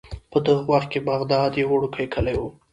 په دغه وخت کې بغداد یو وړوکی کلی و.